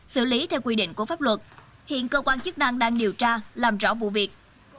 xử lý theo quy định của pháp luật hiện cơ quan chức năng đang điều tra làm rõ vụ việc